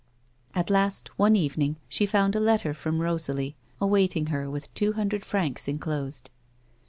At last, one evening, she found a letter from Piosalie awaiting her with two hundred francs enclosed.